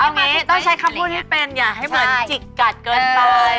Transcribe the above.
เอางี้ต้องใช้คำพูดให้เป็นอย่าให้เหมือนจิกกัดเกินไป